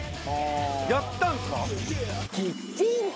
やったんですか？